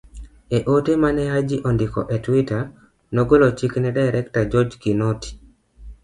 E ote ma ne Haji ondiko e twitter, nogolo chik ne Director George Kinoti